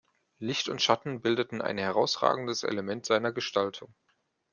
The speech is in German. Licht und Schatten bildeten ein herausragendes Element seiner Gestaltung.